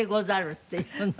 っていうの。